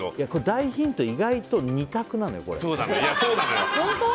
大ヒント、意外と２択なのよ。